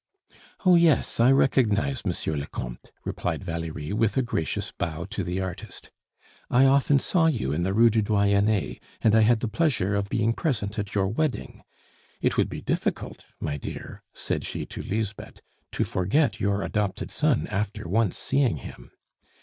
"Oh yes, I recognized Monsieur le Comte," replied Valerie with a gracious bow to the artist. "I often saw you in the Rue du Doyenne, and I had the pleasure of being present at your wedding. It would be difficult, my dear," said she to Lisbeth, "to forget your adopted son after once seeing him.